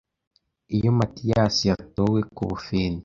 Iyo Matiyasi yatowe kubufindo